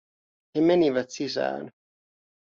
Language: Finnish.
He menivät sisään.